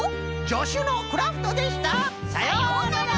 じょしゅのクラフトでした！さようなら。